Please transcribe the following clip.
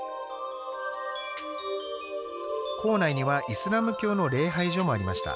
坑内にはイスラム教の礼拝所もありました。